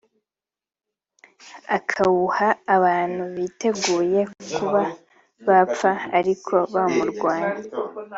akawuha abantu biteguye kuba bapfa ariko bamurwanya